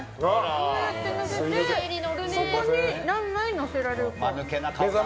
こうやって乗せてそこに何枚乗せられるか。